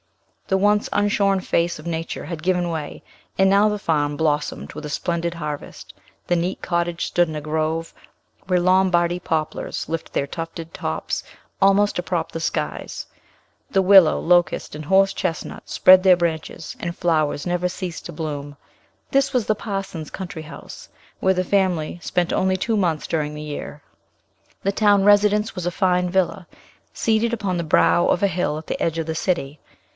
The once unshorn face of nature had given way, and now the farm blossomed with a splendid harvest, the neat cottage stood in a grove where Lombardy poplars lift their tufted tops almost to prop the skies; the willow, locust, and horse chestnut spread their branches, and flowers never cease to blossom. This was the parson's country house, where the family spent only two months during the year. The town residence was a fine villa, seated upon the brow of a hill at the edge of the city.